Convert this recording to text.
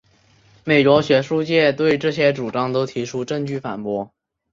美国学术界对这些主张都提出证据反驳。